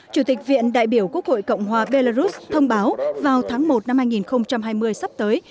chủ tịch viện đại biểu quốc hội cộng hòa belarus thông báo vào tháng một năm hai nghìn hai mươi sắp tới